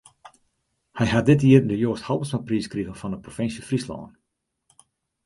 Hy hat dit jier de Joast Halbertsmapriis krige fan de Provinsje Fryslân.